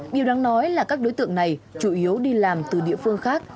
điều đáng nói là các đối tượng này chủ yếu đi làm từ địa phương khác